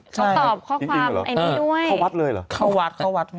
เขาตอบข้อความไอ้นี่ด้วยเขาวัดเลยเหรอเขาวัด